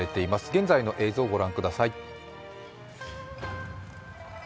現在の映像をご覧ください。